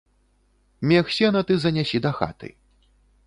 Мех сена ты занясі дахаты.